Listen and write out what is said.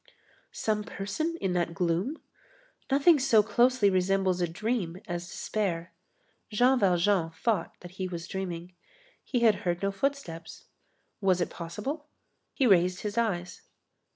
Some person in that gloom? Nothing so closely resembles a dream as despair. Jean Valjean thought that he was dreaming. He had heard no footsteps. Was it possible? He raised his eyes.